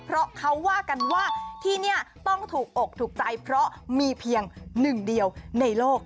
เพราะเขาว่ากันว่าที่นี่ต้องถูกอกถูกใจเพราะมีเพียงหนึ่งเดียวในโลก